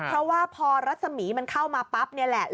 เพราะว่าพอรัศมีร์มันเข้ามาปั๊บนี่แหละ